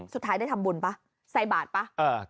สุดท้ายได้ทำบุญป่ะใส่บาทป่ะ